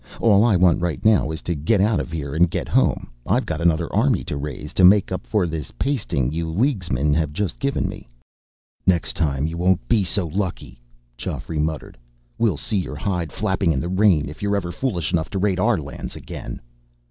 All I want right now is to get out of here and get home. I've got another army to raise, to make up for this pasting you Leaguesmen have just given me." "Next time, you won't be so lucky," Geoffrey muttered. "We'll see your hide flapping in the rain, if you're ever foolish enough to raid our lands again."